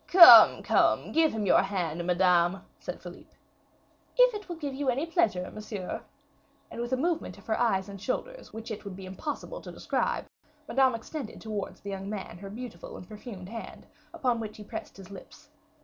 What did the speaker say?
"Come, come, give him your hand, Madame," said Philip. "If it will give you any pleasure, Monsieur," and, with a movement of her eyes and shoulders, which it would be impossible to describe, Madame extended towards the young man her beautiful and perfumed hand, upon which he pressed his lips.